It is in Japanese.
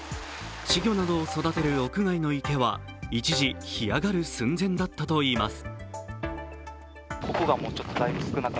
稚魚などを育てる屋外の池は一時、干上がる寸前だったといいます。